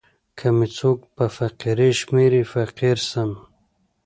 که می څوک په فقیری شمېري فقیر سم.